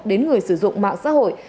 đến người sử dụng mạng xã hội